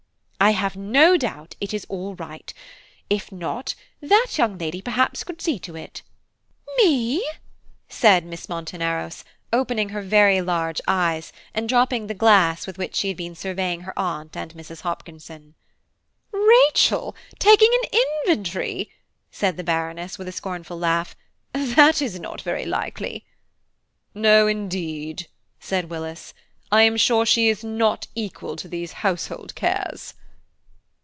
"I have no doubt it is all right. If not, that young lady perhaps could see to it." "Me!" said Miss Monteneros, opening her very large eyes, and dropping the glass with which she had been surveying her aunt and Mrs. Hopkinson. "Rachel taking an inventory!" said the Baroness, with a scornful laugh, "that is not very likely." "No, indeed," said Willis, "I am sure she is not equal to these household cares."